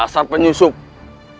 kalau kalian penduduk biasa